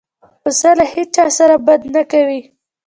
پسه له هیڅ چا سره بد نه کوي.